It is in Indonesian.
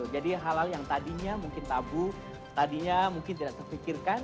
jadi hal hal yang tadinya mungkin tabu tadinya mungkin tidak terpikirkan